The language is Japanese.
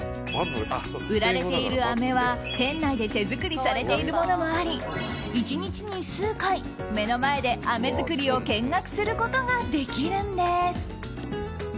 売られているあめは、店内で手作りされているものもあり１日に数回、目の前であめ作りを見学することができるんです。